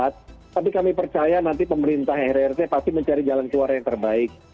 tapi kami percaya nanti pemerintah rrt pasti mencari jalan keluar yang terbaik